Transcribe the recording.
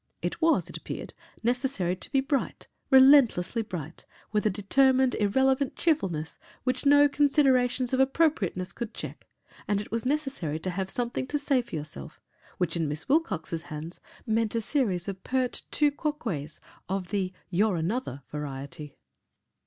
It was, it appeared, necessary to be bright relentlessly bright, with a determined, irrelevant cheerfulness which no considerations of appropriateness could check and it was necessary to have "something to say for yourself" which in Miss Wilcox's hands, meant a series of pert tu quoques of the "you're another" variety.